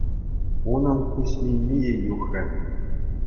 Унӑн пуҫ мимийӗ юхрӗ...